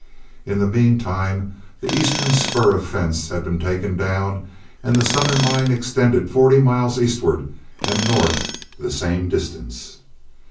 In the mean time the eastern spur of fence had been taken down and the southern line extended forty miles eastward and north the same distance.